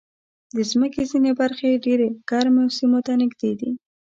د مځکې ځینې برخې ډېر ګرمو سیمو ته نږدې دي.